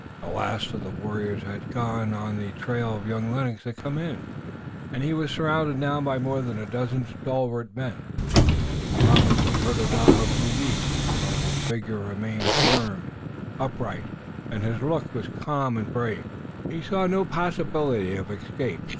The last of the warriors who had gone on the trail of young Lennox had come in, and he was surrounded now by more than a dozen stalwart men. The promise of Tododaho grew weak. Although his figure remained firm and upright and his look was calm and brave he saw no possibility of escape.